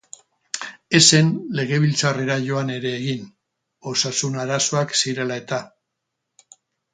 Ez zen Legebiltzarrera joan ere egin, osasun arazoak zirela-eta.